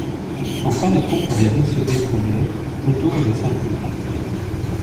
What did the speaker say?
Enfin les troupes royales se débandaient autour de Saint-Cloud.